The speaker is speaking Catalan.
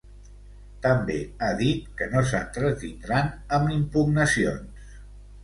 També ha dit que no s’entretindran amb impugnacions.